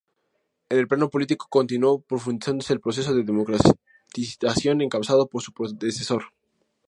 En el plano político, continuó profundizando el proceso de democratización encabezado por su predecesor.